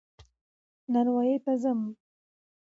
نانوايي ته ځم